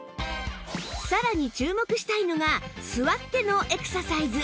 さらに注目したいのが座ってのエクササイズ